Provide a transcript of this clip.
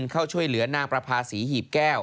เข้าช่วยเหลือนางประภาษีหีบแก้ว